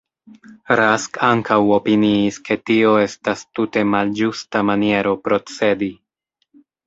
Rask ankaŭ opiniis ke tio estas tute malĝusta maniero procedi.